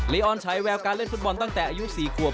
ออนใช้แววการเล่นฟุตบอลตั้งแต่อายุ๔ขวบ